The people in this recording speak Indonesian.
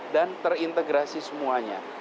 dan terintegrasi semuanya